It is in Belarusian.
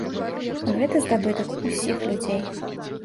Гэта здабытак усіх людзей.